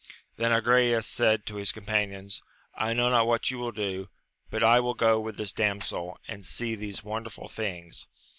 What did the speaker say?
Then Agrayes said' to his companions, I know not what you will do, bat 256 AMADIS OF OAVL. wiU go with this damsel, and see these wonderful things.